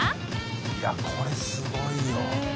いやこれすごいよ。